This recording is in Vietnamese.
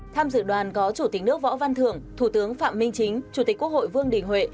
tham dự đoàn có chủ tịch nước võ văn thưởng thủ tướng phạm minh chính chủ tịch quốc hội vương đình huệ